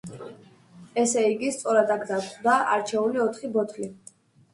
ესე იგი, სწორად აქ დაგვხვდა არჩეული ოთხი ბოთლი.